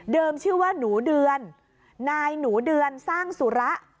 ชื่อว่าหนูเดือนนายหนูเดือนสร้างสุระ